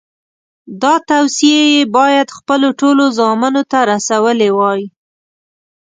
دا توصیې یې باید خپلو ټولو زامنو ته رسولې وای.